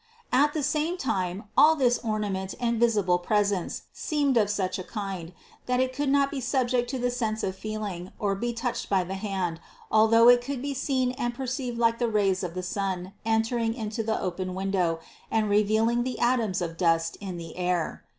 At the same time all this ornament and visible presence seemed of such a kind, that it could not be subject to the sense of feeling nor be touched by the hand, although it could be seen and perceived like the rays of the sun entering into the open window and revealing the atoms of dust in the air.